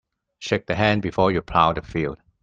Shake the hand before you plough the field.